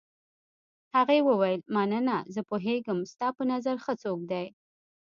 هغې وویل: مننه، زه پوهېږم ستا په نظر ښه څوک دی.